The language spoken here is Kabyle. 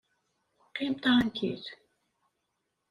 Qqim tṛankil!